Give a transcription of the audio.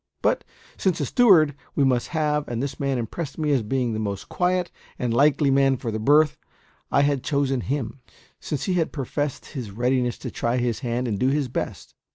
But, since a steward we must have, and this man impressed me as being the most quiet and likely man for the berth, I had chosen him, since he had professed his readiness to try his hand and do his best.